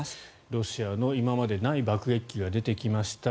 ロシアの今までにない爆撃機が出てきました。